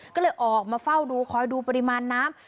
ก็เลยออกมาเฝ้าดูคอยดูปริมาณน้ำ